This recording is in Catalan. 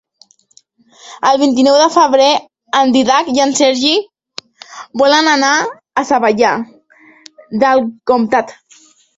El vint-i-nou de febrer en Dídac i en Sergi volen anar a Savallà del Comtat.